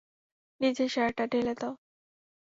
নিজের সেরাটা ঢেলে দাও।